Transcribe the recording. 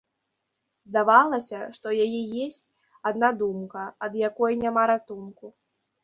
Здавалася, што яе есць адна думка, ад якой няма ратунку.